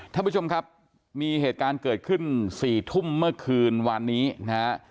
ท่านผู้ชมครับมีเหตุการณ์เกิดขึ้น๔ทุ่มเมื่อคืนวานนี้นะฮะ